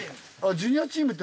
ジュニアチーム。